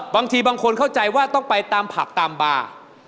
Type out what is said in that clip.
บางทีบางคนเข้าใจว่าต้องไปตามผับตามบาร์